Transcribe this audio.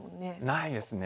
ないですね。